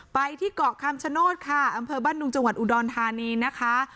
ไปที่เกาะคำชโนธค่ะอำเภอบ้านดุงจังหวัดอุดรธานีนะคะ